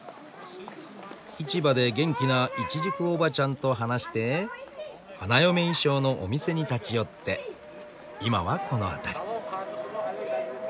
市場で元気なイチジクおばちゃんと話して花嫁衣装のお店に立ち寄って今はこの辺り。